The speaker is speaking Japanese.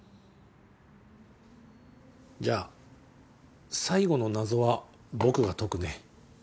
じゃあ最後の謎は僕が解くね。